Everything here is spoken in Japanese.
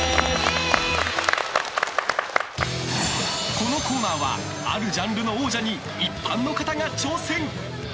このコーナーはあるジャンルの王者に一般の方が挑戦。